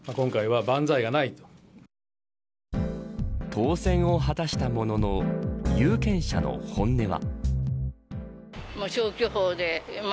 当選を果たしたものの有権者の本音は。